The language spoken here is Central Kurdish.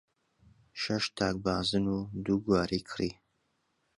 شەش تاک بازن و دوو گوارەی کڕی.